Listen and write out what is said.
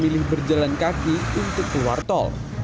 memilih berjalan kaki untuk keluar tol